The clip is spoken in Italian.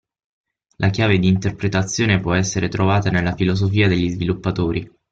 La chiave di interpretazione può essere trovata nella filosofia degli sviluppatori.